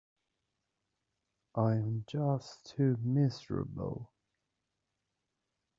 I'm just too miserable.